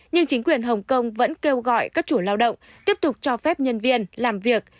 nhưng chính quyền hồng kông vẫn kêu gọi các chủ lao động tiếp tục cho phép nhân viên làm việc